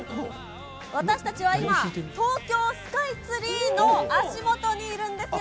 私たちは今、東京スカイツリーの足元にいるんですよ。